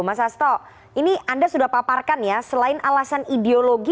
mas hasto ini anda sudah paparkan ya selain alasan ideologi